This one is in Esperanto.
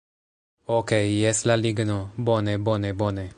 Okej' jes la ligno... bone, bone, bone